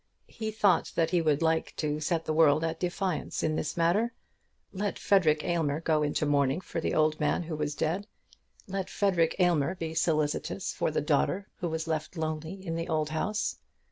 He thought that he would like to set the world at defiance in this matter. Let Frederic Aylmer go into mourning for the old man who was dead. Let Frederic Aylmer be solicitous for the daughter who was left lonely in the old house.